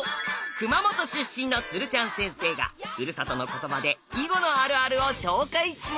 熊本出身の鶴ちゃん先生がふるさとの言葉で囲碁のあるあるを紹介します。